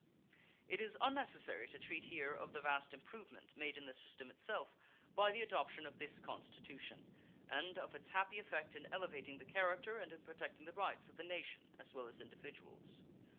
It is unnecessary to treat here of the vast improvement made in the system itself by the adoption of this Constitution and of its happy effect in elevating the character and in protecting the rights of the nation as well as individuals.